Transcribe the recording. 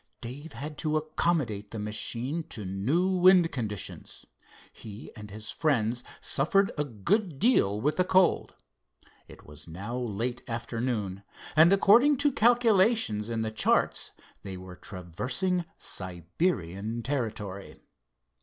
Dave had to accommodate the machine to new wind conditions. He and his friends suffered a good deal with the cold. It was now late afternoon, and according to calculations and the charts they were traversing Siberian territory.